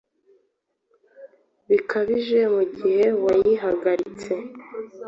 bikabije mu gihe wayihagaritse